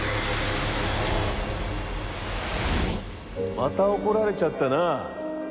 また怒られちゃったな。